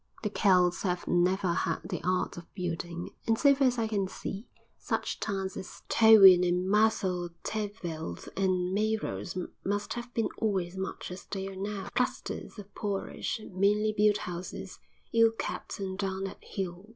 The Celts have never had the art of building, and so far as I can see, such towns as Towy and Merthyr Tegveth and Meiros must have been always much as they are now, clusters of poorish, meanly built houses, ill kept and down at heel.